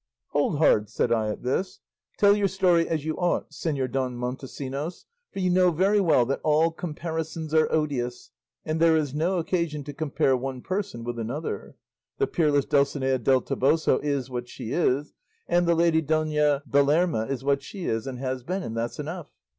"'Hold hard!' said I at this, 'tell your story as you ought, Señor Don Montesinos, for you know very well that all comparisons are odious, and there is no occasion to compare one person with another; the peerless Dulcinea del Toboso is what she is, and the lady Dona Belerma is what she is and has been, and that's enough.